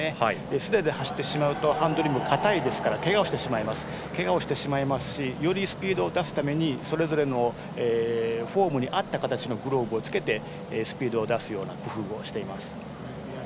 素手で走ってしまうとハンドリング硬いですからけがをしてしまいますしよりスピードを出すためにそれぞれのフォームに合った形のグローブを着けてスピードを出すような工夫をしています。